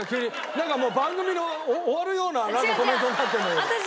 なんかもう番組が終わるようなコメントになってるんだけどどうしたの？